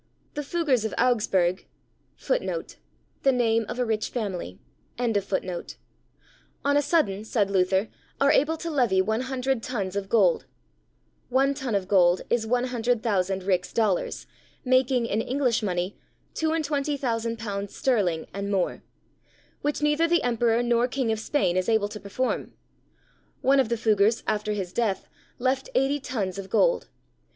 The Fuggars of Augsburg, on a sudden, said Luther, are able to levy one hundred tons of gold (one ton of gold is one hundred thousand rix dollars, making, in English money, two and twenty thousand pounds sterling, and more), which neither the Emperor nor King of Spain is able to perform. One of the Fuggars, after his death, left eighty tons of gold.